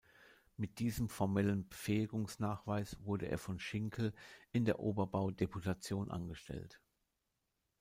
Mit diesem formellen Befähigungsnachweis wurde er von Schinkel in der Oberbaudeputation angestellt.